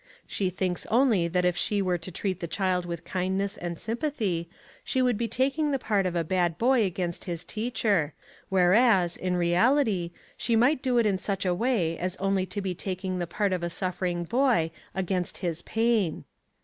She thinks only that if she were to treat the child with kindness and sympathy, she would be taking the part of a bad boy against his teacher; whereas, in reality, she might do it in such a way as only to be taking the part of a suffering boy against his pain.